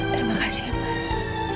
terima kasih ya mas